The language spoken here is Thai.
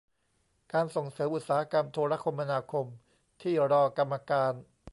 การส่งเสริมอุตสาหกรรมโทรคมนาคมที่รอกรรมการ